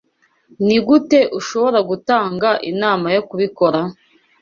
Nigute ushobora gutanga inama yo kubikora?